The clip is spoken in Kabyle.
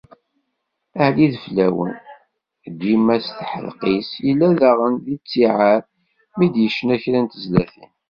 Ɛli Ideflawen, dima s teḥdeq-is, yella daɣen di ttiɛad mi d-yecna kra n tezlatin.